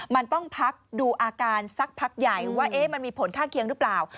มันต้องพักดูอาการสักพักใหญ่ว่ามันมีผลข้างเคียงหรือเปล่า